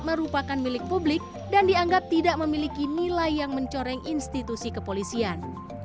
merupakan milik publik dan dianggap tidak memiliki nilai yang mencoreng institusi kepolisian